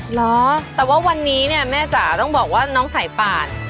เหรอแต่ว่าวันนี้เนี่ยแม่จ๋าต้องบอกว่าน้องสายป่าน